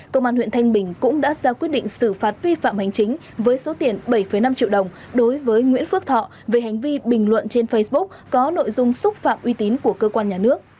công an huyện thanh bình cũng đã ra quyết định xử phạt vi phạm hành chính với số tiền bảy năm triệu đồng đối với nguyễn phước thọ về hành vi bình luận trên facebook có nội dung xúc phạm uy tín của cơ quan nhà nước